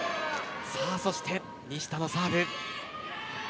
そして西田のサーブ。